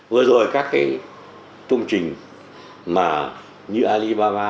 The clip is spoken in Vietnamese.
vừa rồi các cái tôn trình mà như alibaba